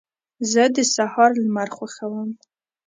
زه د سهار لمر خوښوم.